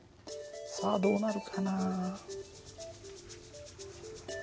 さあどうなるかな？